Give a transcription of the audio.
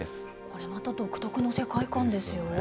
これまた独特の世界観ですよ。